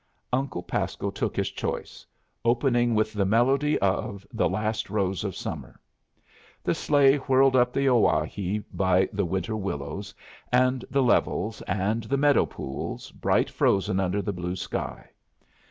Uncle Pasco took his choice, opening with the melody of "The Last Rose of Summer." The sleigh whirled up the Owyhee by the winter willows, and the levels, and the meadow pools, bright frozen under the blue sky.